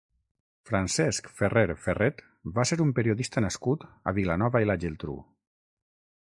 Francesc Ferrer Ferret va ser un periodista nascut a Vilanova i la Geltrú.